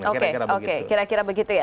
oke oke kira kira begitu ya